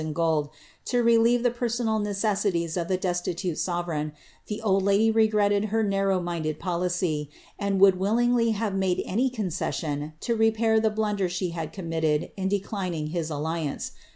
in gold, to relieve the personal necessities of the ite sovereign, the old lady regretted her narrow minded policy, 'ould willingly have made any concession to repair the blunder id committed in declining his alliance.